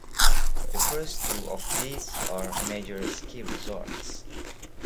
The first two of these are major ski resorts.